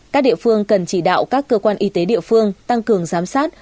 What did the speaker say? các địa phương cần chỉ đạo các cơ quan y tế địa phương tăng cường giám sát